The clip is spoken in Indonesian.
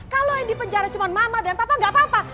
kalau yang dipenjara cuma mama dan papa nggak apa apa